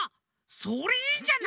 それいいんじゃない？